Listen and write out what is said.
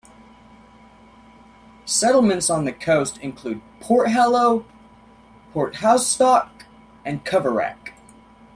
Settlements on the coast include Porthallow, Porthoustock and Coverack.